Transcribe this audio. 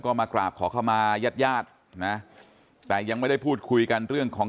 ก็มากราบขอเข้ามาญาติญาตินะแต่ยังไม่ได้พูดคุยกันเรื่องของ